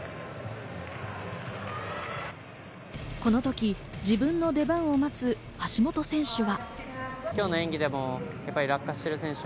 このとき自分の出番を待つ橋本選手は。